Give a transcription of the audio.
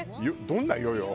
どんな世よ？